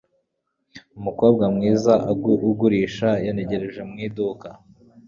Umukobwa mwiza ugurisha yantegereje mu iduka.